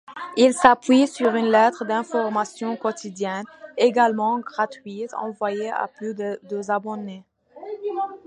Il s'appuie sur une lettre d'information quotidienne, également gratuite, envoyée à plus de abonnés.